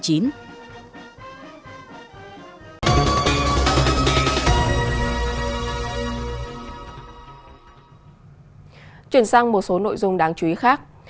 chuyển sang một số nội dung đáng chú ý khác